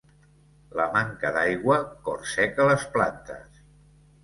La manca d'aigua corseca les plantes.